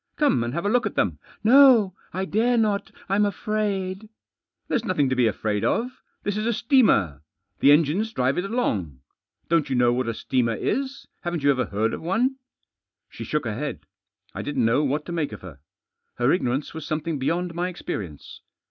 Come and have a look at them." " No, I dare not I'm afraid." " There's nothing to be afraid of. This is a steamer. The engines drive it along. Don't you know what a steamer is? Haven't you ever heard ofone?" She shook her head. I didn't know what to make of her. Her ignorance was something beyond my experience.